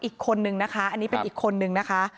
อีกคนนึงนะคะอันนี้เป็นอีกคนนึงนะคะ